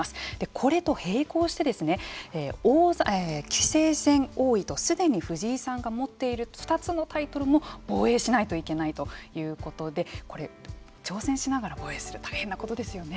これと並行してですね棋聖戦、王位とすでに藤井さんが持っている２つのタイトルも防衛しないといけないということでこれ、対戦しながら防衛するのは大変なことですよね。